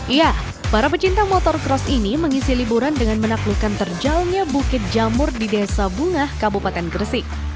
iya para pecinta motor cross ini mengisi liburan dengan menaklukkan terjalnya bukit jamur di desa bungah kabupaten gresik